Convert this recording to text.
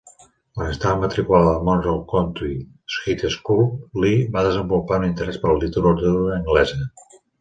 Quan estava matriculada al Monroe County High School, Lee va desenvolupar un interès per la literatura anglesa.